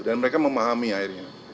dan mereka memahami akhirnya